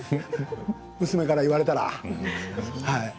娘から言われたら。